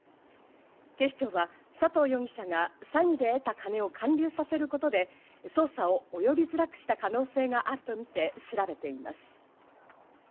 警視庁は佐藤容疑者が詐欺で得た金を還流させることで捜査を及びづらくした可能性があるとみて調べています。